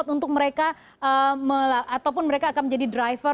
ya memang rey jon deliony